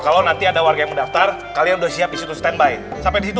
kalau nanti ada warga mendaftar kalian udah siap istri standby sampai di situ